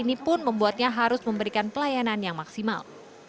ini pun membuatnya harus memberikan pelayanan yang maksimal